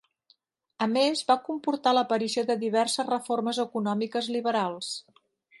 A més, va comportar l'aparició de diverses reformes econòmiques liberals.